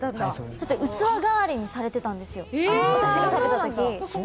器代わりにされてたんですよ、私が食べた時。